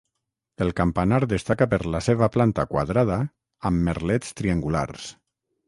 El campanar destaca per la seva planta quadrada amb merlets triangulars.